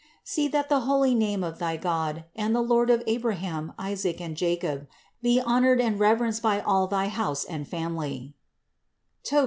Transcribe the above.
287. "See that the holy name of thy God and the Lord of Abraham, Isaac and Jacob be honored and reverenced by all thy house and family (Tob.